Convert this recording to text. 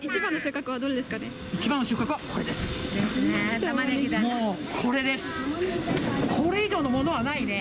一番の収穫はどれですかね？